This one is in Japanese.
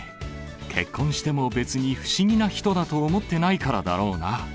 結婚しても別に不思議な人だと思ってないからだろうな。